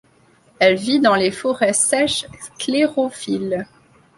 Elle vit dans les forêts sèches sclérophylles.